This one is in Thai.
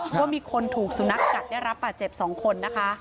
ว่ามีคนถูกสุนัขกัดได้รับบาดเจ็บ๒คนนะคะ